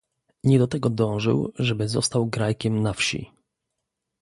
"Nie do tego dążył, żeby został grajkiem na wsi."